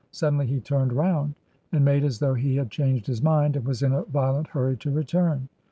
Suddenly he turned round and made as though he had changed his mind and was in a violent hurry to return.